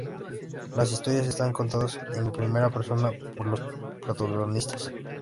Las historias están contadas en primera persona por sus protagonistas.